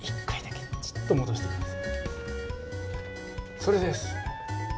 それです！